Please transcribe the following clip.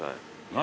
何？